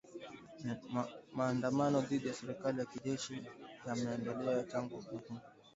Maandamano dhidi ya serikali ya kijeshi yameendelea tangu mapinduzi ya mwezi Oktoba